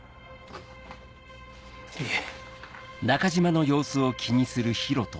いえ。